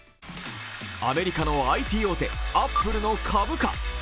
アメリカのＩＴ大手、アップルの株価。